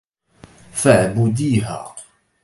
فاعبديها!